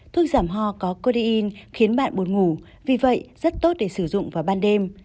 thuốc giảm ho có codeine khiến bạn buồn ngủ vì vậy rất tốt để sử dụng vào ban đêm